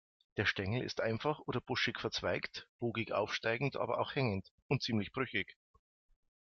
Der Stängel ist einfach oder buschig-verzweigt, bogig aufsteigend aber auch hängend, und ziemlich brüchig.